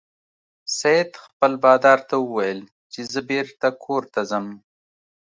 سید خپل بادار ته وویل چې زه بیرته کور ته ځم.